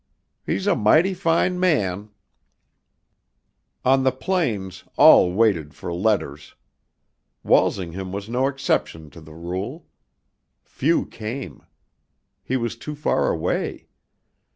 He's a mighty fine man." On the plains all waited for letters. Walsingham was no exception to the rule. Few came. He was too far away.